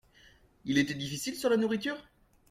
Il était difficile sur la nourriture ?